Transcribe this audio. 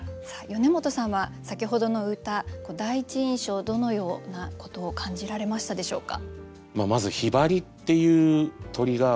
米本さんは先ほどの歌第一印象どのようなことを感じられましたでしょうか？